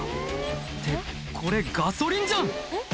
「ってこれガソリンじゃん！」